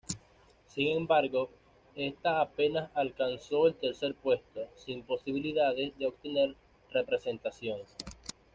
Sin embargo, esta apenas alcanzó el tercer puesto, sin posibilidad de obtener representación.